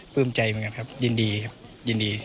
ปลื้มใจมากันครับยินดีครับยินดี